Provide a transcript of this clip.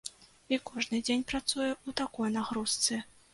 І кожны дзень працуе ў такой нагрузцы.